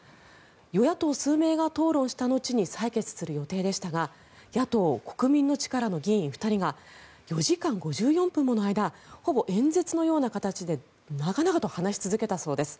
与野党数名が討論した後に採決する予定でしたが野党・国民の力の議員２人が４時間５４分もの間ほぼ演説のような形で長々と話し続けた総です。